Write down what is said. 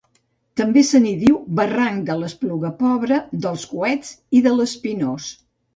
També se n'hi diu Barranc de l'Espluga Pobra, dels Coets i de l'Espinós.